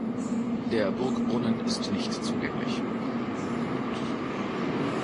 Der Burgbrunnen ist nicht zugänglich.